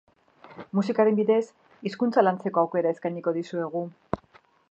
Musikaren bidez hizkuntza lantzeko aukera eskainiko dizuegu.